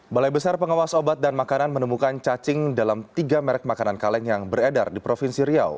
balai besar pengawas obat dan makanan menemukan cacing dalam tiga merek makanan kaleng yang beredar di provinsi riau